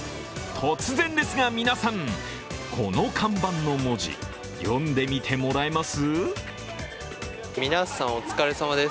突然ですが、皆さん、この看板の文字、読んでみてもらえます？